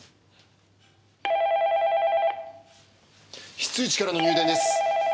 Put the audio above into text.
非通知からの入電です。